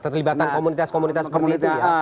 terlibatan komunitas komunitas seperti itu